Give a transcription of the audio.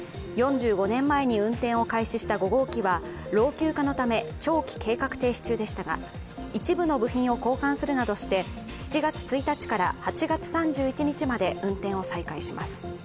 ４５年前に運転を開始した５号機は老朽化のため長期計画停止中でしたが一部の部品を交換するなどして７月１日から８月３１日まで運転を再開します。